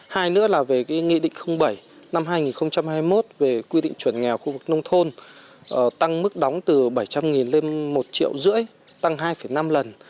hai nữa là về nghị định bảy năm hai nghìn hai mươi một về quy định chuẩn nghèo khu vực nông thôn tăng mức đóng từ bảy trăm linh lên một triệu rưỡi tăng hai năm lần